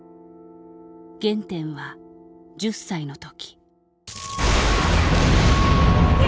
原点は１０歳の時。